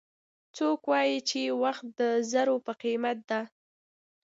څوک وایي چې وخت د زرو په قیمت ده